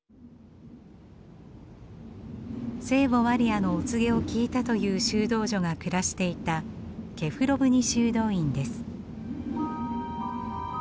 聖母マリアのお告げを聞いたという修道女が暮らしていたケフロヴニ修道院です。